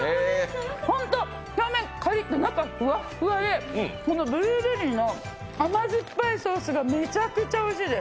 ホント表面カリッと、中ふわっふわで、ブルーベリーの甘酸っぱいソースがめちゃめちゃおいしいです。